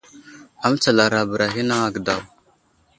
Amətsalara bəra a ghinaŋ age daw.